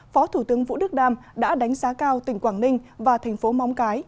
phó thủ tướng vũ đức đam đã đánh giá cao tỉnh quảng ninh và thành phố móng cái